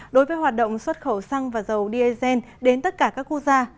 đối với hoạt động xuất khẩu xăng và dầu diesel đến tất cả các quốc gia